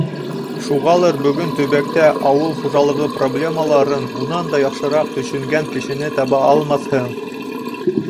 Шуғалыр бөгөн төбәктә ауыл хужалығы проблемаларын унан да яҡшыраҡ төшөнгән кешене таба алмаҫһың.